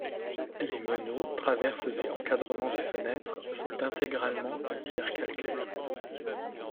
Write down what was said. Les meneaux, traverses et encadrements des fenêtres sont intégralement en pierre calcaire.